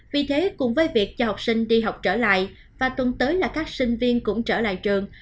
vì thế cùng với việc cho học sinh đi học trở lại và tuần tới là các sinh viên cũng trở lại trường